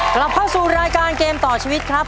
กลับเข้าสู่รายการเกมต่อชีวิตครับ